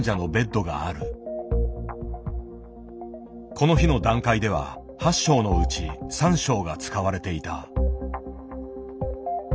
この日の段階では８床のうち３床が使われていた。